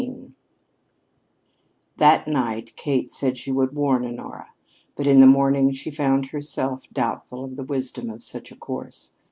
XV That night Kate said she would warn Honora; but in the morning she found herself doubtful of the wisdom of such a course.